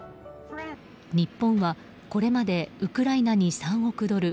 日本は、これまでウクライナに３億ドル